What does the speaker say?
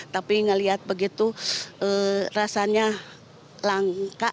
tapi ngelihat begitu rasanya langka